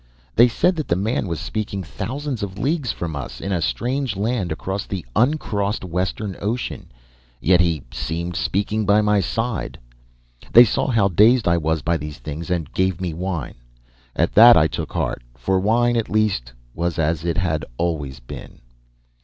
They said that the man was speaking thousands of leagues from us, in a strange land across the uncrossed western ocean, yet he seemed speaking by my side! "They saw how dazed I was by these things, and gave me wine. At that I took heart, for wine, at least, was as it had always been.